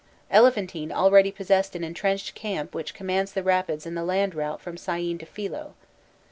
Elephantine already possessed an entrenched camp which commanded the rapids and the land route from Syene to Philo.